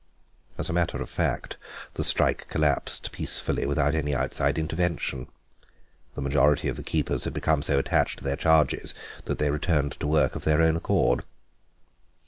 As a matter of fact the strike collapsed peacefully without any outside intervention. The majority of the keepers had become so attached to their charges that they returned to work of their own accord.